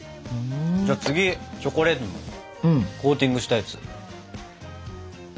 次チョコレートのコーティングしたやつ。